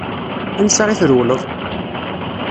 Ansa i trewleḍ?